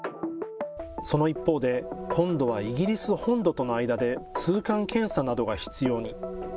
その一方で、今度はイギリス本土との間で、通関検査などが必要に。